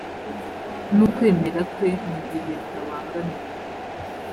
n ukwemera kwe mu gihe bitabangamiye